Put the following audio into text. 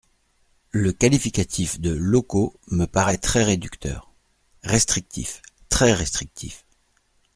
Le qualificatif de « locaux » me paraît très réducteur… Restrictif ! Très restrictif.